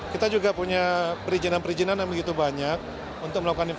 kita juga punya perizinan perizinan yang begitu banyak